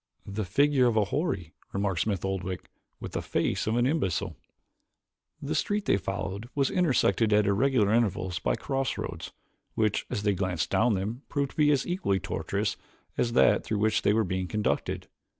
"The figure of a houri," remarked Smith Oldwick, "with the face of an imbecile." The street they followed was intersected at irregular intervals by crossroads which, as they glanced down them, proved to be equally as tortuous as that through which they were being conducted.